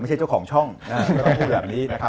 ไม่ใช่เจ้าของช่องไม่ต้องพูดแบบนี้นะครับ